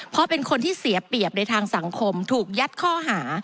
เพราะเป็นคนที่เสียเปรียบในทางสังคมถูกยัดข้อหา